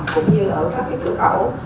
cũng như ở các tử cẩu